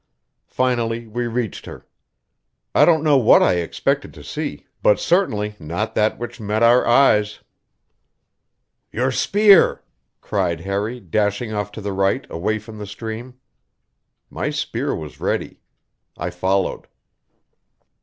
Finally we reached her. I don't know what I expected to see, but certainly not that which met our eyes. "Your spear!" cried Harry, dashing off to the right, away from the stream. My spear was ready. I followed.